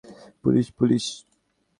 Police, police.